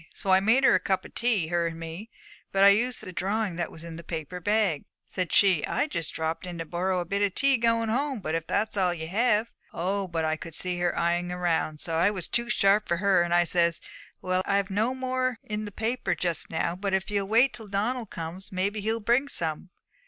So I made her a cup of tea, her and me; but I used the drawing that was in the paper bag. Said she, "I just dropped in to borrow a bit of tea going home, but if that's all ye have" Oh, but I could see her eyeing round; so I was too sharp for her, and I says, "Well, I've no more in the paper just now, but if ye'll wait till Donald comes, maybe he'll bring some."